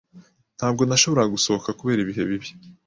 Ntabwo nashoboraga gusohoka kubera ibihe bibi.